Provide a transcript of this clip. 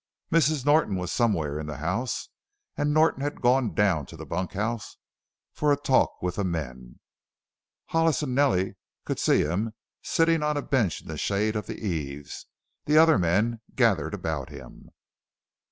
Mrs. Norton was somewhere in the house and Norton had gone down to the bunkhouse for a talk with the men Hollis and Nellie could see him, sitting on a bench in the shade of the eaves, the other men gathered about him.